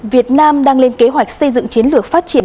việt nam đang lên kế hoạch xây dựng chiến lược phát triển